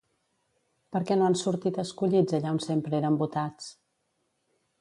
Per què no han sortit escollits allà on sempre eren votats?